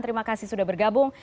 terima kasih sudah bergabung